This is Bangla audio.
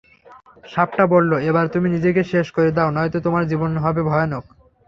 সাপটা বলল,—এবার তুমি নিজেকে শেষ করে দাও, নয়তো তোমার জীবন হবে ভয়ানক।